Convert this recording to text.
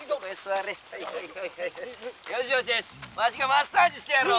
よしよしよしワシがマッサージしてやろう」。